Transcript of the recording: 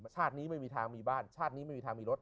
ชาตินี้ไม่มีทางมีบ้านชาตินี้ไม่มีทางมีรถ